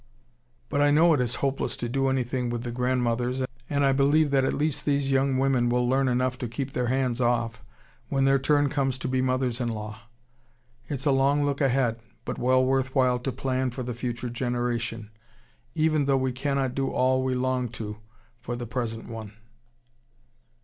But I know it is hopeless to do anything with the grandmothers, and I believe that at least these young women will learn enough to keep their hands off when their turn comes to be mothers in law! It's a long look ahead, but well worth while to plan for the future generation, even though we cannot do all we long to for the present one.